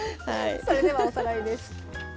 それではおさらいです。